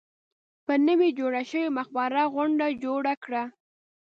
پر نوې جوړه شوې مقبره غونډه جوړه کړه.